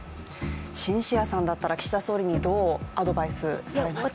シンシアさんだったら岸田総理にどうアドバイスされますか？